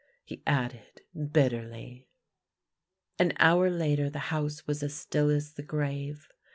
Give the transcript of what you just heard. " he added bitterly. An hour later the house was as still as the grave.